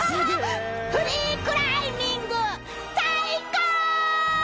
フリークライミング最高！